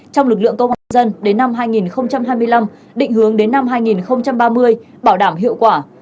trong lực lượng công an dân đến năm hai nghìn hai mươi năm định hướng đến năm hai nghìn ba mươi bảo đảm hiệu quả